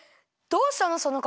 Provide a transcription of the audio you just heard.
どうしたの？